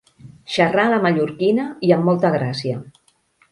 Xerrar a la mallorquina i amb molta gràcia.